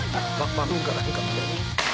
「馬ふんかなんかみたいな」